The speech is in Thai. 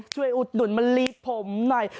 ช่วยอุดหนุนมาลีบผมหน่อย